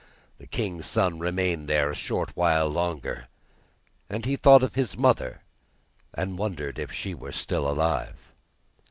The king's son remained there a short while longer, and he thought of his mother, and wondered if she were still alive.